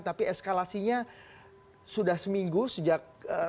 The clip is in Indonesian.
tapi eskalasinya sudah seminggu sejak